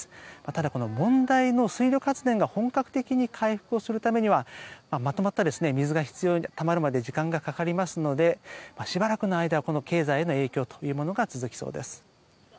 ただ、問題の水力発電が本格的に回復するためにはまとまった水がたまるまで時間がかかりますのでしばらくの間は経済への影響は続きそうです。